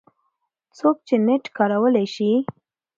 څوک چې نېټ کارولی شي